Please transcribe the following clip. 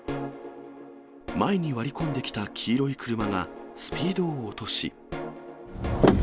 前に割り込んできた黄色い車が、スピードを落とし。